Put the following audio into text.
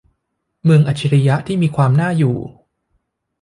เมืองอัจฉริยะที่มีความน่าอยู่